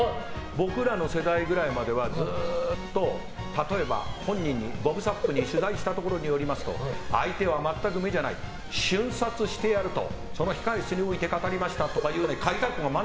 僕らの世代までは例えばボブ・サップに取材したところによりますと相手は全く目じゃない瞬殺してやるとその控え室において語りましたとかいうのがある。